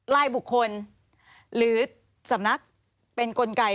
ลายบุคคลหรือสำนักเป็นกลไก